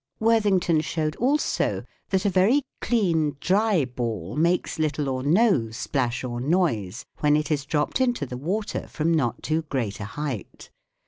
Worthington showed also that a very clean dry ball makes little or no splash or noise when it is dropped into the water from not too great a height.